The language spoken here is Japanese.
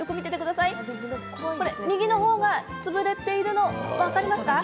右のほうが潰れているの分かりますか？